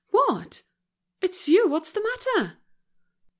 "What! It's you; what's the matter?"